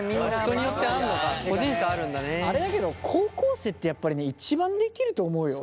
高校生ってやっぱりね一番できると思うよ。